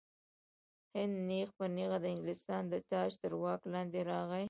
هند نیغ په نیغه د انګلستان د تاج تر واک لاندې راغی.